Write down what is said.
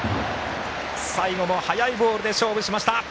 最後も速いボールで勝負しました。